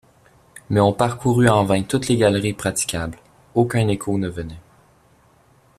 Mais on parcourut en vain toutes les galeries praticables, aucun écho ne venait.